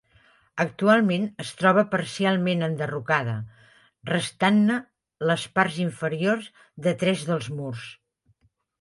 Actualment es troba parcialment enderrocada, restant-ne les parts inferiors de tres dels murs.